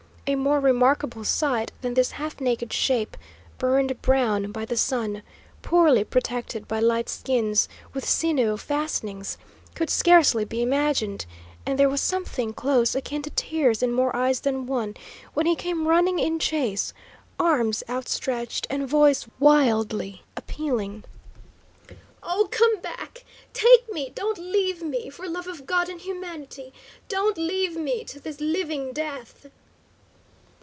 A more remarkable sight than this half naked shape, burned brown by the sun, poorly protected by light skins, with sinew fastenings, could scarcely be imagined; and there was something close akin to tears in more eyes than one when he came running in chase, arms outstretched, and voice wildly appealing: "Oh, come back! Take me, don't leave me, for love of God and humanity, don't leave me to this living death!"